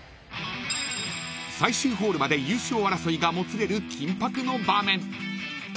［最終ホールまで優勝争いがもつれる緊迫の場面］